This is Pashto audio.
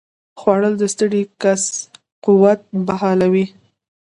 خوړل د ستړي کس قوت بحالوي